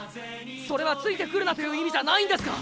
それはついてくるなという意味じゃないんですか！